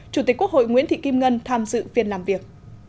chủ tịch quốc hội nguyễn thị kim ngân tham dự phiên làm việc